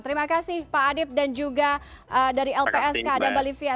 terima kasih pak adip dan juga dari lpsk dan balivia